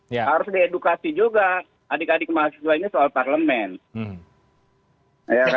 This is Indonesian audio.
harus diedukasi juga adik adik mahasiswa ini soal parlemen